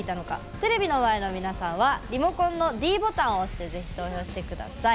テレビの前の皆さんはリモコンのｄボタンを押して是非投票して下さい。